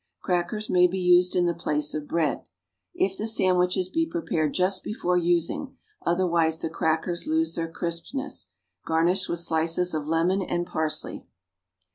Crackers may be used in the place of bread, if the sandwiches be prepared just before using, otherwise the crackers lose their crispness. Garnish with slices of lemon and parsley.